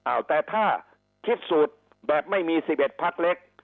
อ่าวแต่ถ้าคิดสูตรแบบไม่มีสิบเอ็ดพักเล็ก